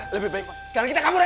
lebih baik sekarang kita kabur aja